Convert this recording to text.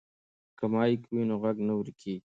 که مایک وي نو غږ نه ورکیږي.